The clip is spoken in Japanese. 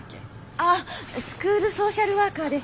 ああスクールソーシャルワーカーです。